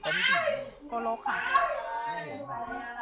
กลกค่ะ